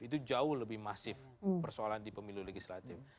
itu jauh lebih masif persoalan di pemilu legislatif